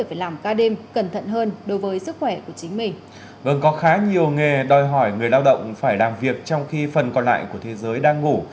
vâng có khá nhiều nghề đòi hỏi người lao động phải làm việc trong khi phần còn lại của thế giới đang ngủ